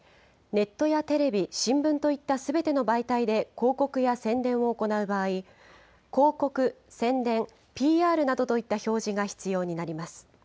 ネットやテレビ、新聞といったすべての媒体で広告や宣伝を行う場合、広告、宣伝、ＰＲなどといった表示が必要になります。